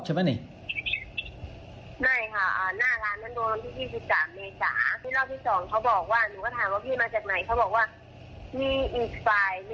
เพื่อให้เจียบจอบ